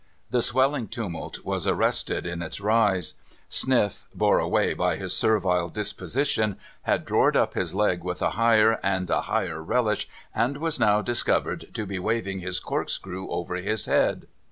The swelling tumult was arrested in its rise. Sniff, bore away by his servile disposition, had drored up his leg with a higher and a higher relish, and was now discovered to be waving his corkscrew over his head.